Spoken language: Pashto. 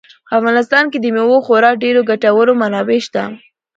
په افغانستان کې د مېوو خورا ډېرې او ګټورې منابع شته.